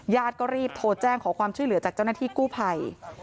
ก็รีบโทรแจ้งขอความช่วยเหลือจากเจ้าหน้าที่กู้ภัย